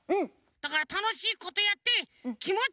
だからたのしいことやってきもち